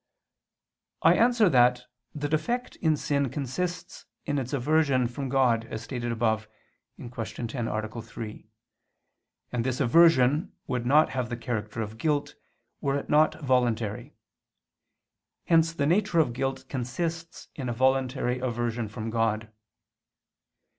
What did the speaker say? I answer that, The defect in sin consists in its aversion from God, as stated above (Q. 10, A. 3): and this aversion would not have the character of guilt, were it not voluntary. Hence the nature of guilt consists in a voluntary aversion from God.